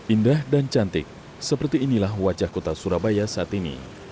indah dan cantik seperti inilah wajah kota surabaya saat ini